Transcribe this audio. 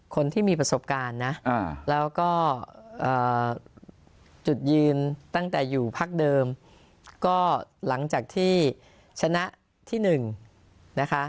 ก็จุดยืนตั้งแต่อยู่พักเดิมก็หลังจากที่ชนะที่หนึ่งนะคะ